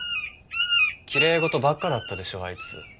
きれい事ばっかだったでしょあいつ。